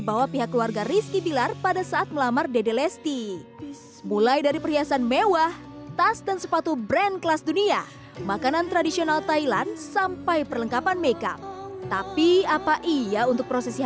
apalagi pernikahan adat di indonesia nih